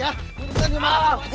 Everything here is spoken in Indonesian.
udah di mana